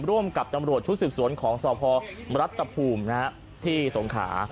ร่วมกับตำรวจชุดสืบสวนของสอบพอร์มรัฐตะพูมที่สงขา